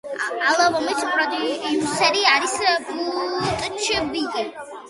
ალბომის პროდიუსერი არის ბუტჩ ვიგი.